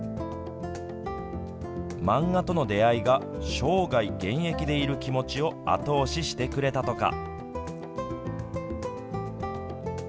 漫画との出会いが生涯現役でいる気持ちを後押ししてくれたとか。